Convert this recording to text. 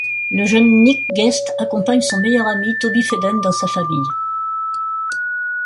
Le jeune Nick Guest accompagne son meilleur ami Toby Fedden dans sa famille.